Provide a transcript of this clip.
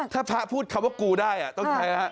ถ้าพระพูดคำว่ากูได้ต้องใช้ฮะ